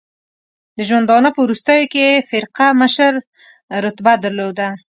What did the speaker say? د ژوندانه په وروستیو کې یې فرقه مشر رتبه درلوده.